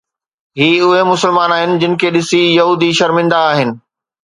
هي اهي مسلمان آهن جن کي ڏسي يهودي شرمندا آهن